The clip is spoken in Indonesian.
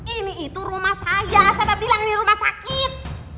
ini itu rumah saya siapa bilang ini rumah sakit